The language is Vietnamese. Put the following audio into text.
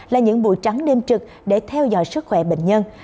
là những buổi trắng đêm trực để theo dõi sức khỏe bệnh nhân